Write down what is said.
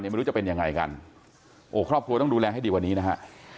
ไม่รู้จะเป็นยังไงกันโอ้ครอบครัวต้องดูแลให้ดีกว่านี้นะฮะ